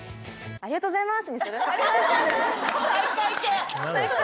ありがとうございます！